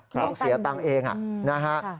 ต้องเสียตังค์เองนะฮะ